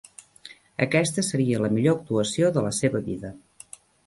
Aquesta seria la millor actuació de la seva vida.